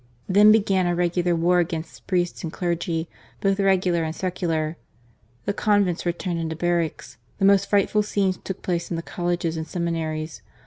Then began a regular war against priests and clergy, both regular and secular. The convents were turned into barracks ; the most frightful scenes took place in the colleges and seminaries.